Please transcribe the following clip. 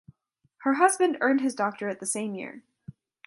Her husband earned his doctorate the same year.